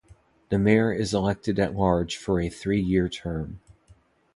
The Mayor is elected at large for a three-year term.